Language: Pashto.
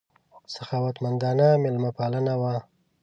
سخاوتمندانه مېلمه پالنه وه.